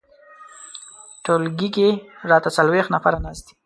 ټولګي کې راته څلویښت نفر ناست دي.